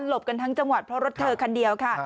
กันทั้งจังหวัดเพราะรถเธอคันเดียวค่ะ